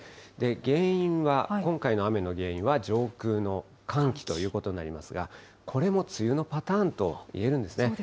原因は、今回の雨の原因は上空の寒気ということになりますが、これも梅雨のパターンと言えるんですね。